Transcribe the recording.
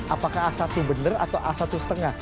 apakah a satu benar atau a satu lima